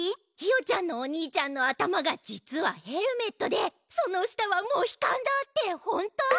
ひよちゃんのおにいちゃんの頭が実はヘルメットでその下はモヒカンだってほんと？